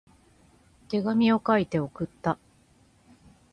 手紙を書いて送った。